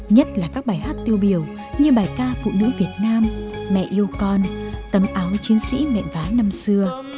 nhất là các bài hát tiêu biểu như bài ca phụ nữ việt nam mẹ yêu con tấm áo chiến sĩ mẹ vá năm xưa